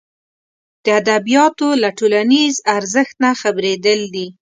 د ادبیاتو له ټولنیز ارزښت نه خبرېدل دي.